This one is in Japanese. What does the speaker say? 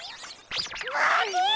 まて！